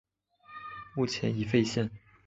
目前已废线。